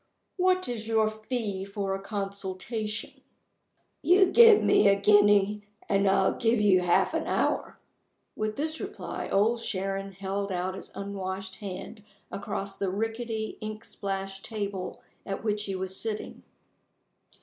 "What is your fee for a consultation?" "You give me a guinea, and I'll give you half an hour." With this reply Old Sharon held out his unwashed hand across the rickety ink splashed table at which he was sitting.